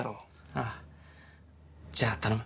ああじゃあ頼む。